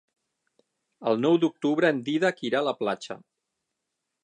El nou d'octubre en Dídac irà a la platja.